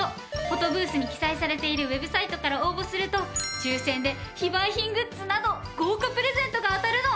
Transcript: フォトブースに記載されているＷＥＢサイトから応募すると抽選で非売品グッズなど豪華プレゼントが当たるの！